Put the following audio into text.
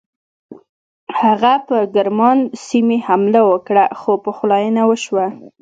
هغه پر ګرمان سیمې حمله وکړه خو پخلاینه وشوه.